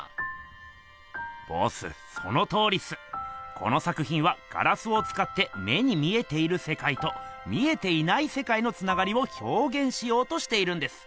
この作ひんはガラスをつかって目に見えているせかいと見えていないせかいのつながりをひょうげんしようとしているんです。